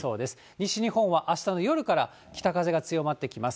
西日本はあしたの夜から北風が強まってきます。